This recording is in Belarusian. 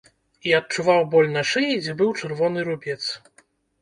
І адчуваў боль на шыі, дзе быў чырвоны рубец.